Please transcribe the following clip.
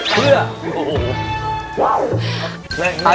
แล้วเหมือนกัน